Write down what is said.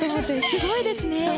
すごいですね。